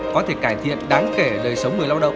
có thể cải thiện đáng kể đời sống người lao động